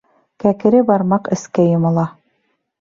Кәкере бармаҡ эскә йомола.